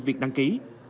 việc đăng ký